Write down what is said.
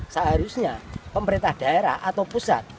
seharusnya pemerintah daerah atau pusat